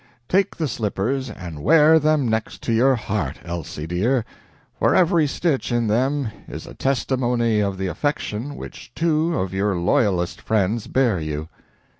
.. Take the slippers and wear them next your heart, Elsie dear, for every stitch in them is a testimony of the affection which two of your loyalest friends bear you.